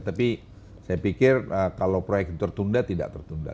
tapi saya pikir kalau proyek itu tertunda tidak tertunda